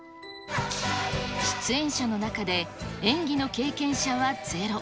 出演者の中で、演技の経験者はゼロ。